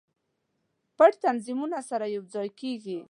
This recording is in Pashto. پټ تنظیمونه سره یو ځای کیږي.